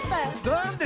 なんで？